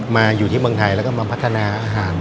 มาอยู่ที่เมืองไทยแล้วก็มาพัฒนาอาหาร